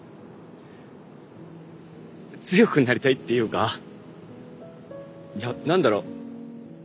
強くなりたいっていうかや何だろう。